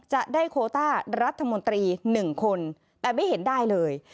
จะได้โคต้ารัฐมนตรี๑คนแต่ไม่เห็นได้เลย